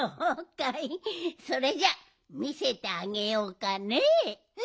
それじゃあみせてあげようかねえ。